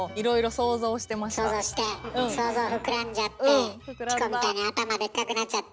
想像して想像膨らんじゃってチコみたいに頭でっかくなっちゃって。